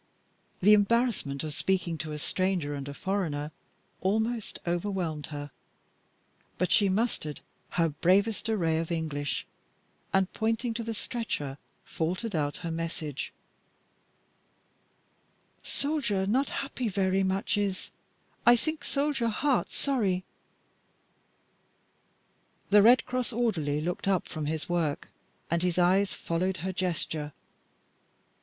The embarrassment of speaking to a stranger and a foreigner almost overwhelmed her, but she mustered her bravest array of English, and pointing to the stretcher, faltered out her message: "Soldier not happy very much is. I sink soldier heart sorry." The Red Cross orderly looked up from his work, and his eyes followed her gesture.